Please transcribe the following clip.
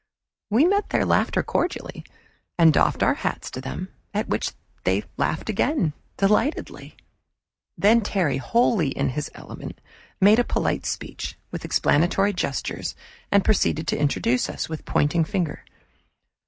We met their laughter cordially, and doffed our hats to them, at which they laughed again, delightedly. Then Terry, wholly in his element, made a polite speech, with explanatory gestures, and proceeded to introduce us, with pointing finger.